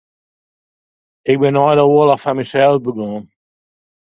Ik bin nei de oarloch foar mysels begûn.